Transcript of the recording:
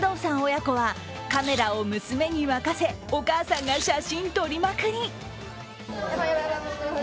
親子はカメラを娘に任せお母さんが写真撮りまくり。